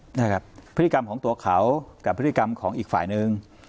นะครับพฤติกรรมของตัวเขากับพฤติกรรมของอีกฝ่ายนึง